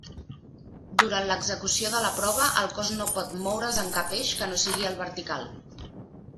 Durant l'execució de la prova, el cos no pot moure's en cap eix que no sigui el vertical.